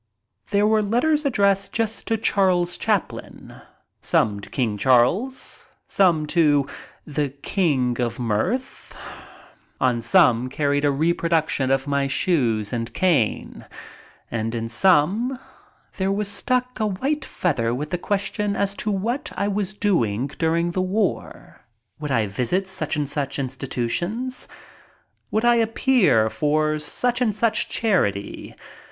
There were letters addressed just to Charles Chaplin, some to King Charles, some to the "King of Mirth"; on some there was drawn the picture of a battered derby; some carried a reproduction of my shoes and cane; and in some there was stuck a white feather with the question as to what I was doing during the war. Would I visit such and such institutions ? Would I appear for such and such charity?